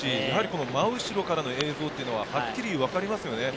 真後ろからの映像は、はっきりわかりますよね。